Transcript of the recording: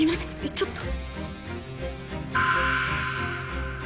ちょっと！